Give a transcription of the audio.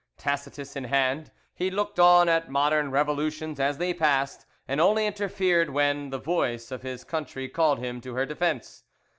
Tacitus in hand, he looked on at modern revolutions as they passed, and only interfered when the, voice of his country called him to her defence.